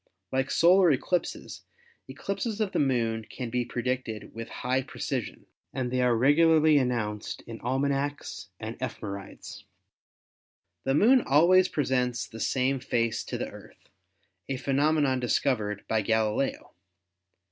Like solar eclipses, eclipses of the Moon can be predicted with high precision, and they are regularly announced in almanacs and ephemerides. The Moon always presents the same face to the Earth, a phenomenon discovered by Galileo.